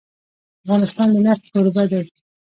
افغانستان د نفت کوربه دی.